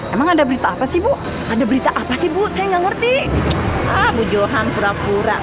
emang ada berita apa sih bu asal ngerti tak ibu nanya aja langsung mati ya bu johan emang ada